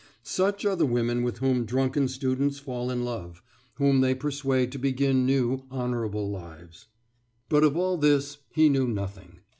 Such are the women with whom drunken students fall in love, whom they persuade to begin new, honourable lives. But of all this he knew nothing.